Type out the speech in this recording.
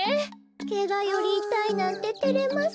ケガよりいたいなんててれますねえ。